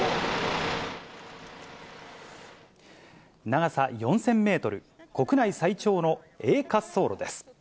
長さ４０００メートル、国内最長のＡ滑走路です。